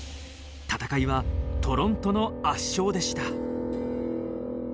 戦いはトロントの圧勝でした。